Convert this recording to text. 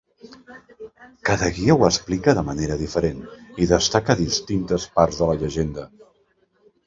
Cada guia ho explica de manera diferent i destaca distintes parts de la llegenda.